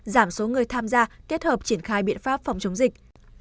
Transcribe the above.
giảm số người tham gia kết hợp triển khai biện pháp phòng chống dịch